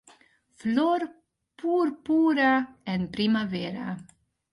Flor púrpura en primavera.